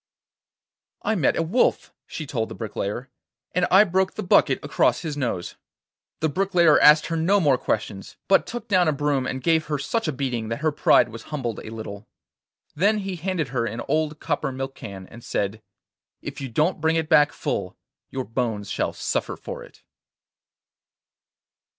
'I met a wolf,' she told the bricklayer, 'and I broke the bucket across his nose.' The bricklayer asked her no more questions, but took down a broom and gave her such a beating that her pride was humbled a little. Then he handed to her an old copper milk can, and said: 'If you don't bring it back full, your bones shall suffer for it.